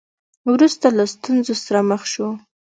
وروسته له ستونزو سره مخ شو.